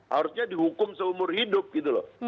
harusnya dihukum seumur hidup gitu loh